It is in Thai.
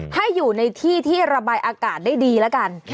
ให้อยู่ในที่ที่ระบายอากาศได้ดีแล้วกัน